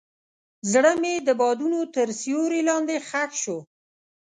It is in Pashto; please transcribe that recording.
زړه مې د بادونو تر سیوري لاندې ښخ شو.